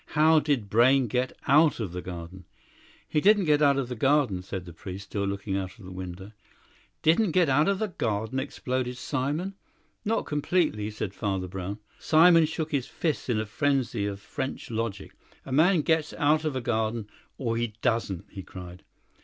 How did Brayne get out of the garden?" "He didn't get out of the garden," said the priest, still looking out of the window. "Didn't get out of the garden?" exploded Simon. "Not completely," said Father Brown. Simon shook his fists in a frenzy of French logic. "A man gets out of a garden, or he doesn't," he cried.